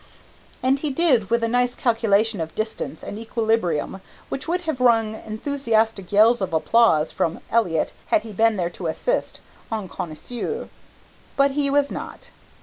And he did with a nice calculation of distance and equilibrium which would have rung enthusiastic yells of applause from Elliott had he been there to assist en connaisseur. But he was not.